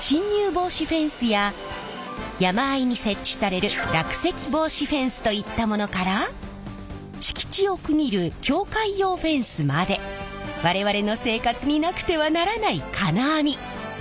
防止フェンスや山あいに設置される落石防止フェンスといったものから敷地を区切る境界用フェンスまで我々の生活になくてはならない金網！